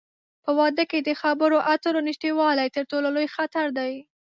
په واده کې د خبرو اترو نشتوالی، تر ټولو لوی خطر دی.